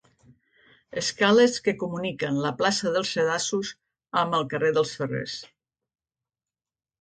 Escales que comuniquen la plaça dels Sedassos amb el carrer dels Ferrers.